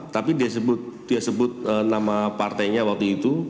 tapi dia sebut nama partainya waktu itu